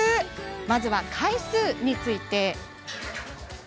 まずは回数について。